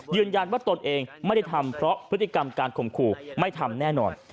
ตนเองไม่ได้ทำเพราะพฤติกรรมการข่มขู่ไม่ทำแน่นอน